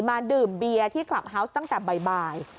มาดื่มเบียร์ที่คลับเฮาวส์ตั้งแต่บ่าย